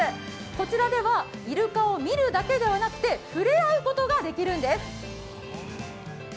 こちらではイルカを見るだけではなくて触れ合うことができるんです。